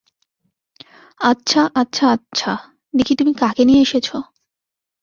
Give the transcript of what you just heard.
আচ্ছা, আচ্ছা, আচ্ছা, দেখি তুমি কাকে নিয়ে এসেছো!